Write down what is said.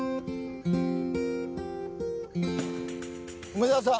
梅沢さん